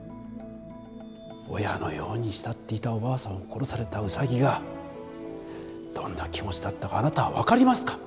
親のように慕っていたおばあさんを殺されたウサギがどんな気持ちだったかあなたは分かりますか？